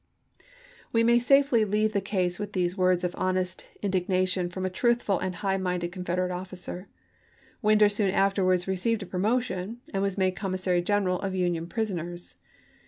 We ma^ p* 227* safely leave the case with these words of honest indignation from a trnthfnl and high minded Con federate officer. Winder soon afterwards received a promotion, and was made commissary general of Union prisoners.